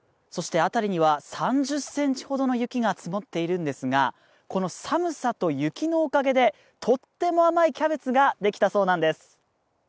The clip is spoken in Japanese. そして辺りには３０ｃｍほどの雪が積もっているんですが、この寒さと雪のおかげで、とっても甘いキャベツができたそうなんです。